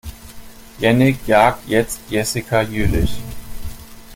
Jannick jagt jetzt Jessica Jüllich.